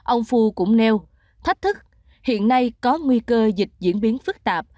ông phu cũng nêu thách thức hiện nay có nguy cơ dịch diễn biến phức tạp